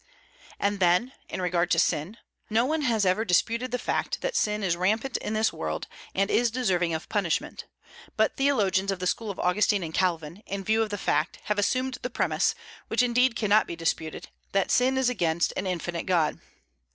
And then, in regard to sin: no one has ever disputed the fact that sin is rampant in this world, and is deserving of punishment. But theologians of the school of Augustine and Calvin, in view of the fact, have assumed the premise which indeed cannot be disputed that sin is against an infinite God.